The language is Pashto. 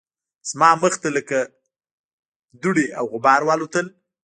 زما مخ ته لکه دوړې او غبار والوتل